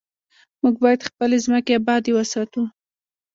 موږ باید خپلې ځمکې ابادې وساتو.